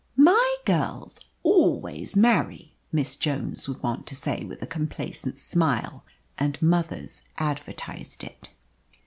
"My girls always marry!" Miss Jones was wont to say with a complacent smile, and mothers advertised it.